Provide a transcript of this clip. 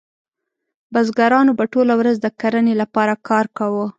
بزګرانو به ټوله ورځ د کرنې لپاره کار کاوه.